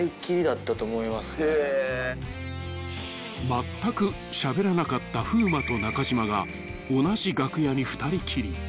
［まったくしゃべらなかった風磨と中島が同じ楽屋に２人きり］